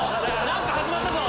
何か始まったぞ！